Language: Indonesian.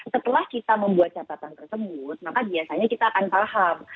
setelah kita membuat catatan tersebut maka biasanya kita akan paham